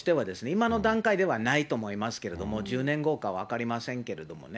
今の段階ではないと思いますけれども、１０年後か分かりませんけれどもね。